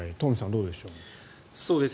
どうでしょう。